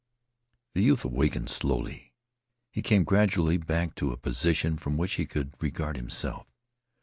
The youth awakened slowly. He came gradually back to a position from which he could regard himself.